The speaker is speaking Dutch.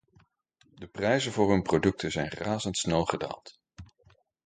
De prijzen voor hun producten zijn razendsnel gedaald.